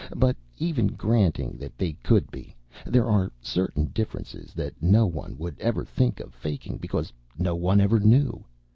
But even granting that they could be, there are certain differences that no one would ever think of faking, because no one ever knew.